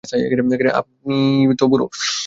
আপনি তো বুড়ো।